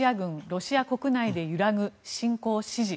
ロシア国内で揺らぐ侵攻支持。